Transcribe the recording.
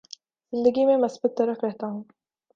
زندگی میں مثبت طرف رہتا ہوں